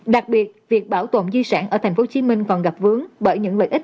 đặc biệt việc bảo tồn di sản ở tp hcm còn gặp vướng bởi những lợi ích